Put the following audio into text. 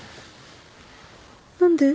何で？